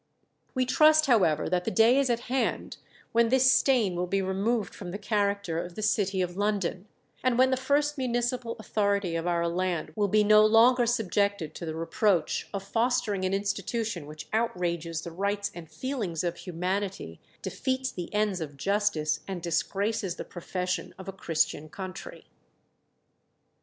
We trust, however, that the day is at hand when this stain will be removed from the character of the city of London, and when the first municipal authority of our land will be no longer subjected to the reproach of fostering an institution which outrages the rights and feelings of humanity, defeats the ends of justice, and disgraces the profession of a Christian country."